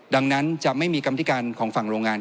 ดังนั้นจะไม่มีกรรมธิการของฝั่งโรงงาน